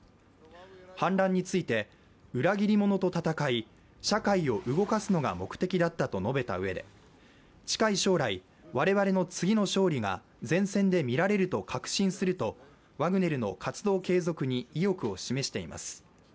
反乱について裏切り者と戦い社会を動かすのが目的だったと述べたうえで近い将来、我々の次の勝利が前線で見られると確信すると、ワグネルの活動継続に意欲を示しています。